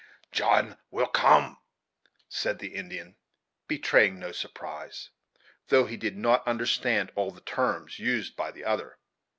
"John will come," said the Indian, betraying no surprise; though he did not understand all the terms used by the other.